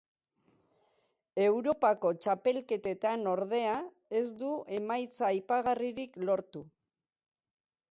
Europako txapelketetan ordea ez du emaitza aipagarririk lortu.